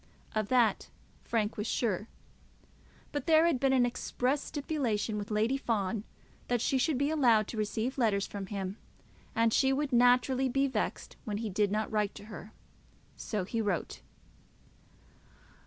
Of that Frank was sure. But there had been an express stipulation with Lady Fawn that she should be allowed to receive letters from him, and she would naturally be vexed when he did not write to her. So he wrote.